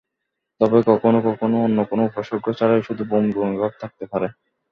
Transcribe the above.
তবে কখনো কখনো অন্য কোনো উপসর্গ ছাড়াই, শুধু বমি বমি ভাব থাকতে পারে।